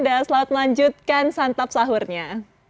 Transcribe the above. dan selamat melanjutkan santab sahurnya